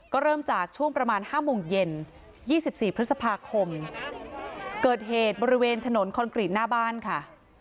ก็เริ่มจากช่วงประมาณ๕โมงเย็น๒๔พฤษภาคมเกิดเหตุบริเวณถนนคอนกรีตหน้าบ้านค่ะ